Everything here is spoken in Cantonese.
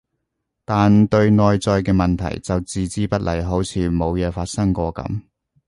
但對內在嘅問題就置之不理，好似冇嘢發生過噉